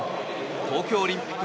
東京オリンピック